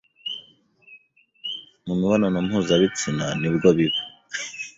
mu mibonano mpuzabitsina nibwo biba